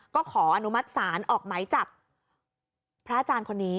ก็ขออนุมัติศาลออกไหมจับพระอาจารย์คนนี้